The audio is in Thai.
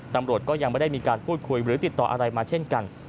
ตำรวจก็ยังไม่ได้มีการพูดคุยหรือติดต่ออะไรมาเช่นกัน